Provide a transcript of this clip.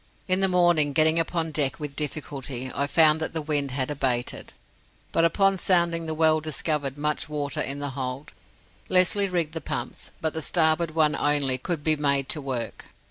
In the morning, getting upon deck with difficulty, I found that the wind had abated, but upon sounding the well discovered much water in the hold. Lesly rigged the pumps, but the starboard one only could be made to work.